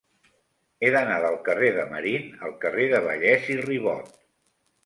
He d'anar del carrer de Marín al carrer de Vallès i Ribot.